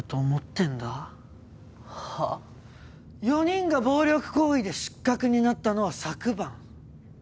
４人が暴力行為で失格になったのは昨晩。